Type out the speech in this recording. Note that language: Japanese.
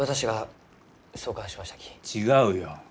違うよ。